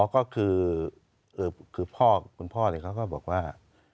คือคุณพ่อเขาบอกว่า